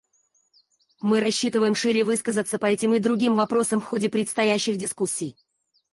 Мы рассчитываем шире высказаться по этим и другим вопросам в ходе предстоящих дискуссий.